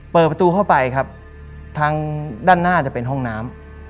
เปิดประตูเข้าไปครับทางด้านหน้าจะเป็นห้องน้ำ